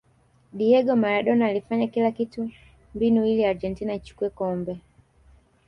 diego maradona alifanya kila kitu mbinu ili argentina ichukue kombe